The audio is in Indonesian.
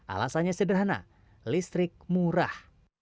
alasannya sederhana listrik murah